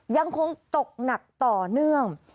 ยังคงตกหนักต่อเนื่อง